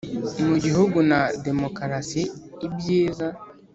Mu gihugu na demokarasi ibyiza